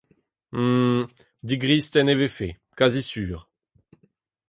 Hum ! digristen e vefe, kazi sur.